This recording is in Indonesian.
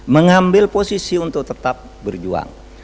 mengambil posisi untuk tetap berjuang